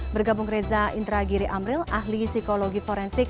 bergabung reza indragiri amril ahli psikologi forensik